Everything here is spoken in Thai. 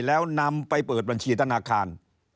แล้วนำไปเปิดบัญชีธนาคาร